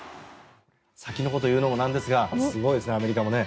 先のことを言うのもなんですがすごいですね、アメリカも。